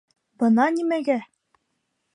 Бына нимәгә!